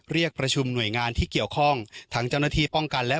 เรียกประชุมหน่วยงานที่เกี่ยวข้องทั้งเจ้าหน้าที่ป้องกันและ